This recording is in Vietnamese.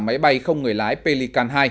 máy bay không người lái pelican hai